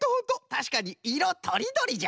たしかにいろとりどりじゃ。